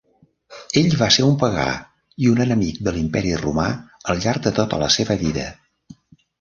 Ell va ser un pagà i un enemic de l'Imperi Romà al llarg de tota la seva vida.